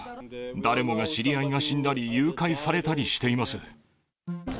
誰もが、知り合いが死んだり、誘拐されたりしています。